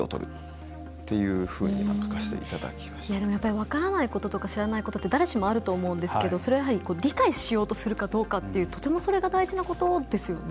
分からないこととか知らないことって誰しもあると思うんですけどそれは、やはり理解しようとするかどうかとてもそれが大事なことですよね。